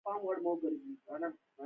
بدن یې ایمني سيستم کمزوری وي.